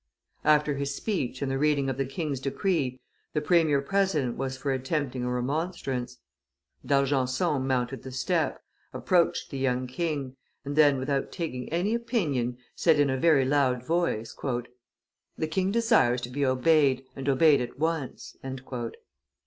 After his speech, and the reading of the king's decree, the premier president was for attempting a remonstrance; D'Argenson mounted the step, approached the young king, and then, without taking any opinion, said, in a very loud voice, "The king desires to be obeyed, and obeyed at once."